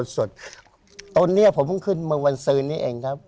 สดตนนี้ผมขึ้นมาวันซื้อนี้เองครับ